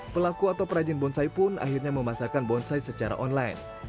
pelaku atau perajin bonsai pun akhirnya memasarkan bonsai secara online